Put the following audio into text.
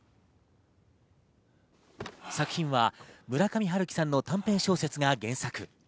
作品は村上春樹さんの短編小説が原作。